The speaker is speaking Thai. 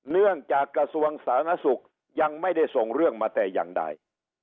เนื่องจากกระทรวงศาสุขยังไม่ได้ส่งเรื่องมาแต่อย่างใด